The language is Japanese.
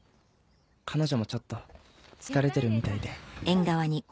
彼女もちょっと疲れてるみたいで。